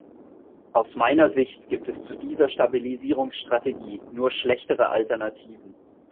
Aus meiner Sicht gibt es zu dieser Stabilisierungsstrategie nur schlechtere Alternativen.